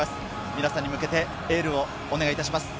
皆さんに向けてエールをお願いします。